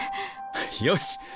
よし！